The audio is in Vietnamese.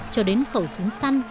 cho đến khẩu súng săn